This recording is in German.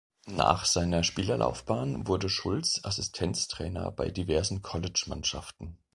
Nach seiner Spielerlaufbahn wurde Schulz Assistenztrainer bei diversen Collegemannschaften.